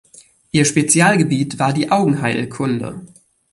Ihr Spezialgebiet war die Augenheilkunde.